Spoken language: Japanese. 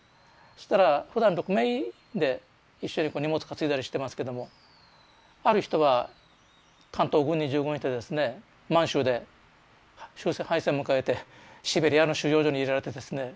そしたらふだん６名で一緒に荷物かついだりしてますけどもある人は関東軍に従軍してですね満州で終戦敗戦を迎えてシベリアの収容所に入れられてですね